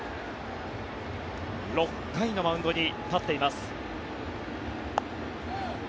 ６回のマウンドに立っています。